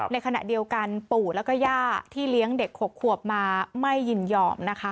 ในขณะเดียวกันปู่แล้วก็ย่าที่เลี้ยงเด็ก๖ขวบมาไม่ยินยอมนะคะ